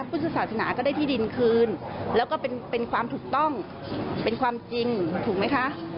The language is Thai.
พุทธศาสนาก็ได้ที่ดินคืนแล้วก็เป็นความถูกต้องเป็นความจริงถูกไหมคะ